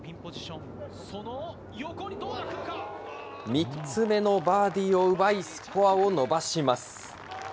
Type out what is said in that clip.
３つ目のバーディーを奪いスコアを伸ばします。